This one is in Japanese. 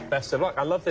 頑張って。